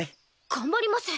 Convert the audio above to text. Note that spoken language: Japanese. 頑張ります。